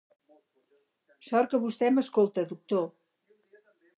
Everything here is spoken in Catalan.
Sort que vostè m'escolta, doctor.